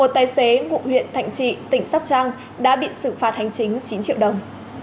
tỉnh sóc trang đã bị xử phạt hành chính chín triệu đồng